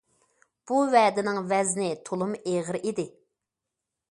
بۇ ۋەدىنىڭ ۋەزنى تولىمۇ ئېغىر ئىدى.